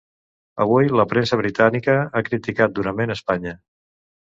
Avui la premsa britànica ha criticat durament Espanya.